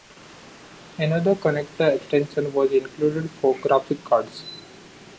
Another connector extension was included for graphics cards.